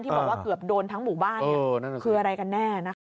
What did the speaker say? บอกว่าเกือบโดนทั้งหมู่บ้านคืออะไรกันแน่นะคะ